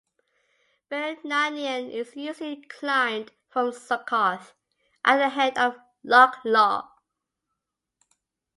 Beinn Narnain is usually climbed from Succoth at the head of Loch Long.